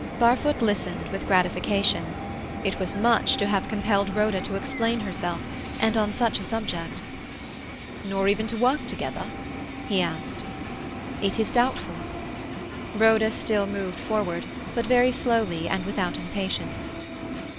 Barfoot listened with gratification. It was much to have compelled Rhoda to explain herself, and on such a subject. "Nor even to work together?" he asked. "It is doubtful." Rhoda still moved forward, but very slowly, and without impatience.